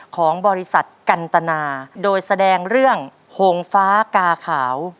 ของบริษัทกันตนาโดยแสดงเรื่องหงฟ้ากาขาว